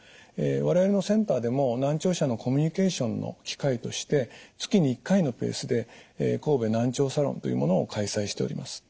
我々のセンターでも難聴者のコミュニケーションの機会として月に１回のペースで神戸難聴サロンというものを開催しております。